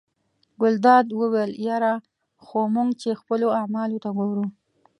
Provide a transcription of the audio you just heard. ګلداد وویل یره خو موږ چې خپلو اعمالو ته ګورو.